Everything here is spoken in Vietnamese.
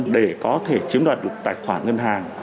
để có thể chiếm đoạt được tài khoản ngân hàng